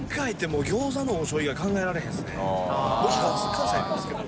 関西なんですけど。